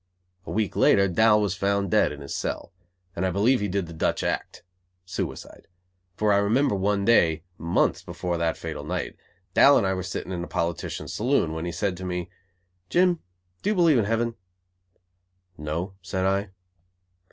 A week later Dal was found dead in his cell, and I believe he did the Dutch act (suicide), for I remember one day, months before that fatal night, Dal and I were sitting in a politicians saloon, when he said to me: "Jim, do you believe in heaven?" "No," said I.